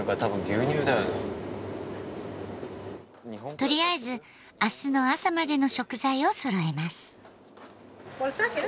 とりあえず明日の朝までの食材をそろえます。